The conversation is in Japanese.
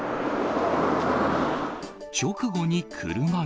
直後に車が。